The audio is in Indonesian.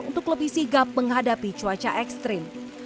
untuk lebih sigap menghadapi cuaca ekstrim